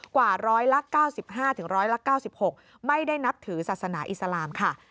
กว่าร้อยละ๙๕๑๙๖ไม่ได้นับถือศาสนาอิสลามค่ะ